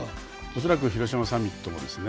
恐らく広島サミットもですね